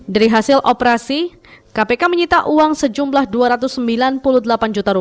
dari hasil operasi kpk menyita uang sejumlah rp dua ratus sembilan puluh delapan juta